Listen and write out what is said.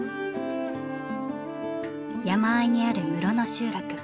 山あいにある室野集落。